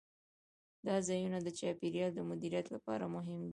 دا ځایونه د چاپیریال د مدیریت لپاره مهم دي.